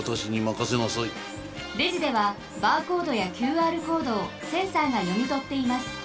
レジではバーコードやＱＲコードをセンサーがよみとっています。